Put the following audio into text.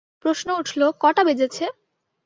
–প্রশ্ন উঠল, কটা বেজেছে?